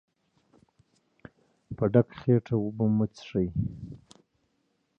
په ډکه خېټه اوبه مه څښئ.